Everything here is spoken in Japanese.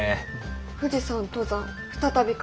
「富士山登山再び活況を」。